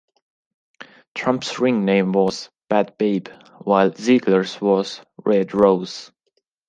Trump's ring name was "Bad Babe" while Ziegler's was "Red Rose".